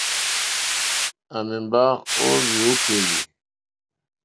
À mèmbá ó hwìúkèlì.